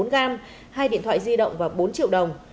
bốn gram hai điện thoại di động và bốn triệu đồng